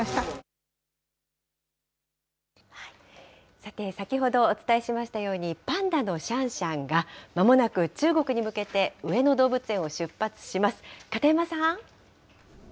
さて、先ほどお伝えしましたように、パンダのシャンシャンが、まもなく中国に向けて上野動物園を出発します。